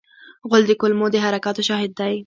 غول د کولمو د حرکاتو شاهد دی.